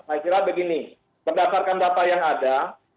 saya kira begini berdasarkan data yang ada